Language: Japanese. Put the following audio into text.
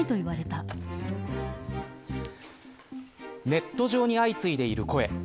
ネット上に相次いでいる声。